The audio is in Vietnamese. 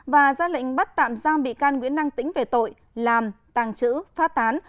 và ra lệnh bắt tạm giam bị can nguyễn năng tĩnh về tội làm tàng trữ phát tán